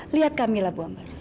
lihat kamila bu ambar